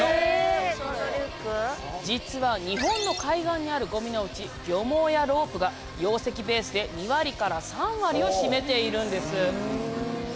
実は日本の海岸にあるごみのうち漁網やロープが容積ベースで２割から３割を占めているんです！